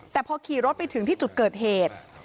แต่พอขี่รถไปถึงที่จุดเกิดเหตุ